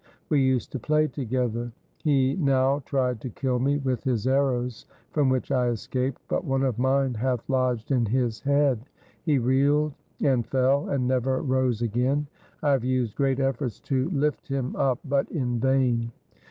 We used to play together. He now tried to kill me with his arrows, from which I escaped, but one of mine hath lodged in his head. He reeled and fell, and never rose again. I have used great efforts to lift him up, but in vain.'